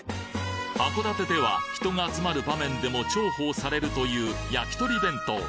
函館では人が集まる場面でも重宝されるというやきとり弁当。